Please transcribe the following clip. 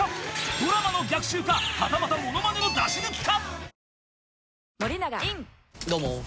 ［ドラマの逆襲かはたまたモノマネの出し抜きか］